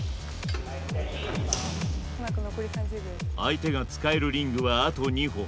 相手が使えるリングはあと２本。